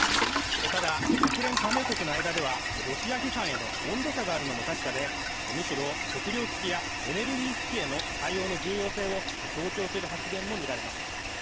ただ、国連加盟国の間ではロシア批判への温度差があるのも確かで、むしろ食料危機やエネルギー危機への対応の重要性を強調する発言も見られます。